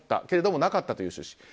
けれどもなかったという趣旨。